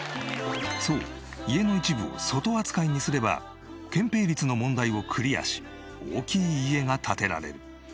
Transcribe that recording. そう家の一部を外扱いにすれば建ぺい率の問題をクリアし大きい家が建てられる。